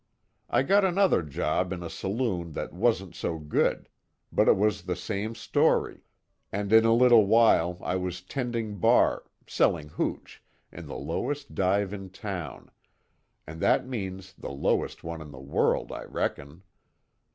I got another job in a saloon that wasn't so good, but it was the same story, and in a little while I was tending bar selling hooch in the lowest dive in town and that means the lowest one in the world, I reckon.